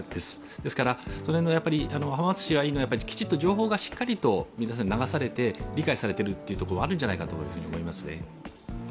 ですから、浜松市がいいのは、きちんと情報がしっかり流されて、理解されているところはあるんじゃないかと思いますね。